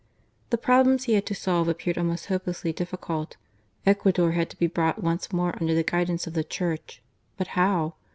The problems he had to solve appeared almost hopelessly difficult. Ecuador had to be brought once more under the guidance of the Church ; but how